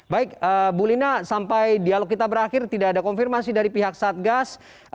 baik bu lina sampai dialog kita berakhir tidak ada konfirmasi dari pihak satgas